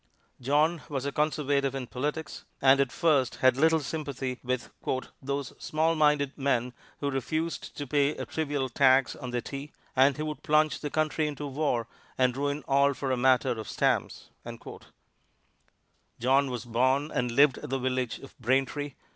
John was a conservative in politics, and at first had little sympathy with "those small minded men who refused to pay a trivial tax on their tea; and who would plunge the country into war, and ruin all for a matter of stamps." John was born and lived at the village of Braintree.